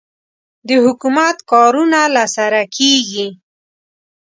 د حکومت کارونه له سره کېږي.